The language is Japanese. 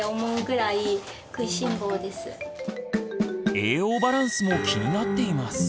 栄養バランスも気になっています。